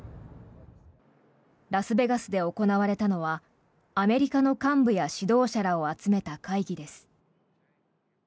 ラスベガスで行われたのはアメリカの幹部や指導者らを集めた会議です。